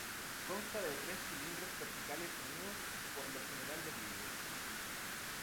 Consta de tres cilindros verticales unidos, por lo general de vidrio.